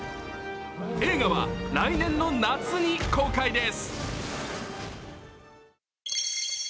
映画は来年の夏に公開です。